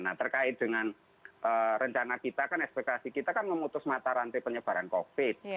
nah terkait dengan rencana kita kan ekspektasi kita kan memutus mata rantai penyebaran covid